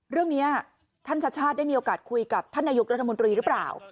เรื่องนี้ท่านชัชชาติได้มีโอกาสคุยกับท่านนายกรัฐมนตรีหรือเปล่า